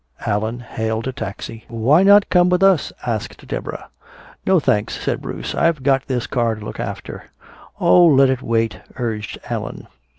Allan hailed a taxi. "Why not come with us?" asked Deborah. "No, thanks," said Bruce. "I've got this car to look after." "Oh, let it wait," urged Allan.